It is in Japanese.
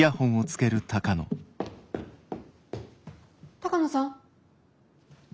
鷹野さん。